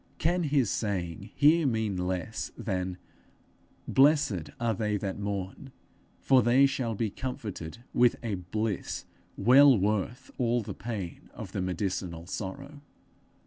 Can his saying here mean less than 'Blessed are they that mourn, for they shall be comforted with a bliss well worth all the pain of the medicinal sorrow'?